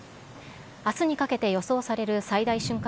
あすにかけて予想される最大瞬間